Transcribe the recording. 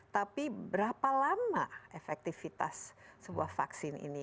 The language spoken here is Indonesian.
tapi berapa lama efektivitas sebuah vaksin ini